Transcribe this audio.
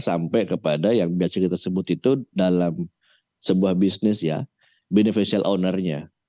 sampai kepada yang biasa kita sebut itu dalam sebuah bisnis ya beneficial ownernya